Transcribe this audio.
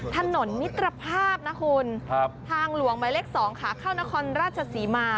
ถนนมิตรภาพนะคุณทางหลวงหมายเลข๒ขาเข้านครราชศรีมา